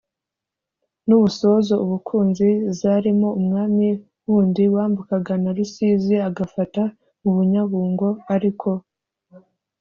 n’ubusozo- ubukunzi, zarimo umwami wundi wambukaga na rusizi agafata mu bunyabungo: ariko